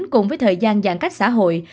cùng với thời gian giãn cách xã hội